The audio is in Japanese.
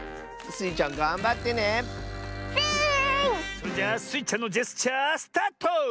それじゃあスイちゃんのジェスチャースタート！